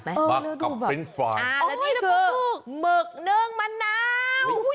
แล้วนี่คือหมึกเนิ่งมะนาว